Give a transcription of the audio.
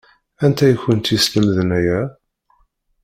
Anta i kent-yeslemden aya?